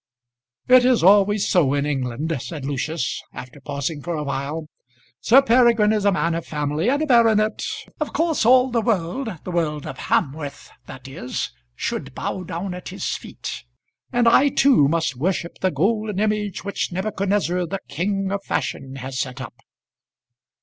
"It is always so in England," said Lucius, after pausing for a while. "Sir Peregrine is a man of family, and a baronet; of course all the world, the world of Hamworth that is, should bow down at his feet. And I too must worship the golden image which Nebuchadnezzar, the King of Fashion, has set up!"